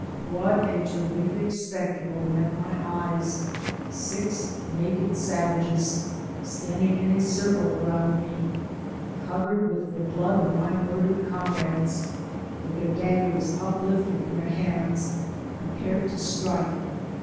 But what a terific spectacle met ray eyes : six naked savages, stand ing in a circle around me, covered with the blood of my murdered comrades, with their daggers uplifted in their hands, prepared to strike.